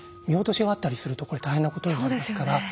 見落としがあったりするとこれ大変なことになりますから。